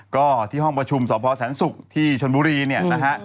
ก็ที่ห้องประชุมสพแสนศุกร์ที่ชนบุรีเนี่ยนะฮะ